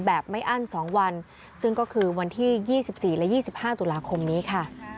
แบบไม่อั้น๒วันซึ่งก็คือวันที่๒๔และ๒๕ตุลาคมนี้ค่ะ